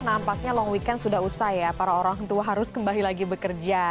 nampaknya long weekend sudah usai ya para orang tua harus kembali lagi bekerja